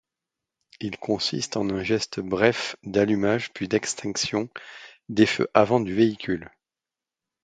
Il consiste en un geste bref d'allumage puis d'extinction des feux-avant du véhicule.